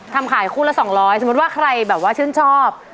ทำขายคู่ละ๒๐๐สมมุติว่าเขาชื่นชอบ